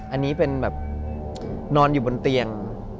อันนี้เป็นแบบนอนอยู่บนเตียง